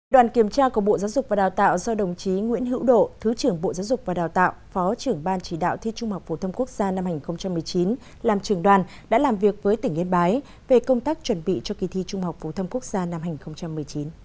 đoàn kiểm tra của bộ giáo dục và đào tạo do đồng chí nguyễn hữu độ thứ trưởng bộ giáo dục và đào tạo phó trưởng ban chỉ đạo thi trung học phổ thông quốc gia năm hai nghìn một mươi chín làm trường đoàn đã làm việc với tỉnh yên bái về công tác chuẩn bị cho kỳ thi trung học phổ thông quốc gia năm hai nghìn một mươi chín